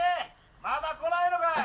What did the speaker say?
まだこないのかい？